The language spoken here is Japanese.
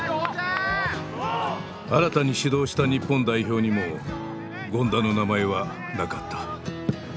新たに始動した日本代表にも権田の名前はなかった。